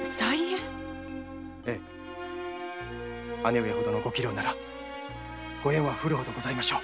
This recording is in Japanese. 姉上ほどのご器量ならご縁は降るほどございましょう。